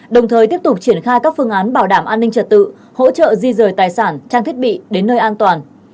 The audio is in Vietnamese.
đồng thời tiếp tục triển khai các phương án bảo đảm an ninh trật tự hỗ trợ di rời tài sản trang thiết bị đến nơi an toàn